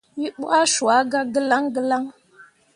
Wǝ ɓuah cua gah gǝlaŋ gǝlaŋ.